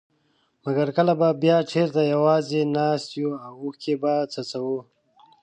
مګر کله به بيا چېرته يوازي ناست يو او اوښکي به څڅوو.